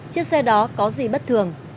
chiếc xe đó có gì bất thường